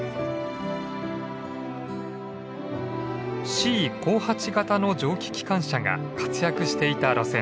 Ｃ５８形の蒸気機関車が活躍していた路線です。